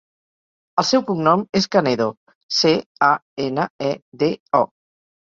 El seu cognom és Canedo: ce, a, ena, e, de, o.